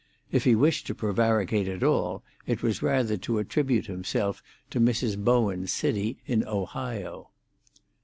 If he wished to prevaricate at all, it was rather to attribute himself to Mrs. Bowen's city in Ohio.